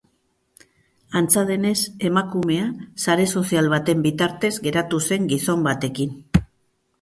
Antza denez, emakumea sare sozial baten bitartez geratu zen gizon batekin.